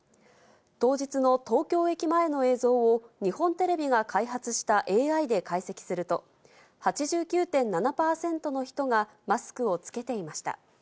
当日の東京駅前の映像を、日本テレビが開発したＡＩで解析すると、８９．７％の人がマスクを着けていました。